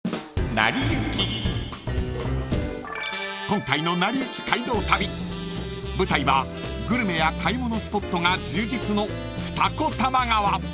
［今回の『なりゆき街道旅』舞台はグルメや買い物スポットが充実の二子玉川］